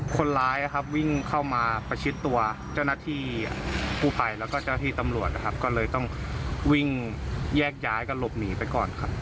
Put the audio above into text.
คนร้ายนะครับวิ่งเข้ามาประชิดตัวเจ้าหน้าที่กู้ภัยแล้วก็เจ้าที่ตำรวจนะครับก็เลยต้องวิ่งแยกย้ายกันหลบหนีไปก่อนครับ